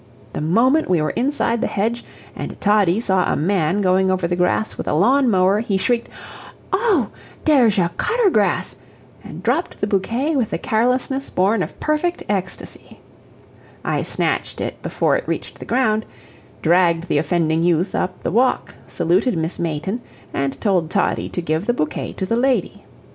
The moment we were inside the hedge and Toddie saw a man going over the lawn with a lawn mower, he shrieked: "Oh, deresh a cutter grass!" and dropped the bouquet with the carelessness born of perfect ecstasy. I snatched it before it reached the ground, dragged the offending youth up the walk, saluted Miss Mayton, and told Toddie to give the bouquet to the lady.